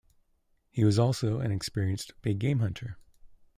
He was also an experienced big-game hunter.